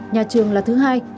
nhà trường là thứ hai